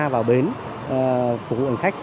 vào bến phục vụ hành khách